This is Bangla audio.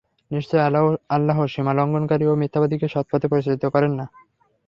নিশ্চয় আল্লাহ সীমালংঘনকারী ও মিথ্যাবাদীকে সৎপথে পরিচালিত করেন না।